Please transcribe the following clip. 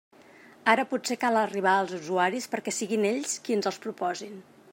Ara potser cal arribar als usuaris, perquè siguin ells qui ens els proposin.